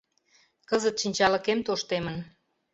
Кызыт шинчалыкем тоштемын.